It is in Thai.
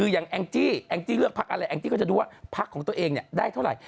อย่างฉันอ่ะอย่างฉันเชียร์เพื่อไทย